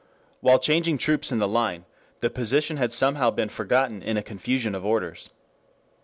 While changing troops in the line, the position had somehow been forgotten in a confusion of orders.